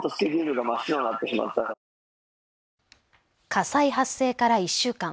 火災発生から１週間。